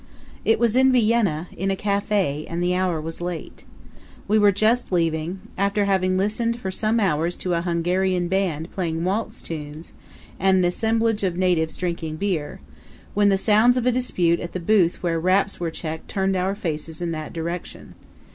It was in Vienna, in a cafe, and the hour was late. We were just leaving, after having listened for some hours to a Hungarian band playing waltz tunes and an assemblage of natives drinking beer, when the sounds of a dispute at the booth where wraps were checked turned our faces in that direction.